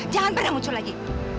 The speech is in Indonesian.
jangan pernah muncul lagi